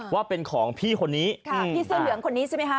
ว่าเป็นของพี่คนนี้ค่ะพี่เสื้อเหลืองคนนี้ใช่ไหมคะ